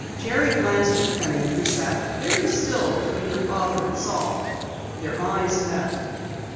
Jerry glanced at Penny who sat very still between her father and Salt. Their eyes met.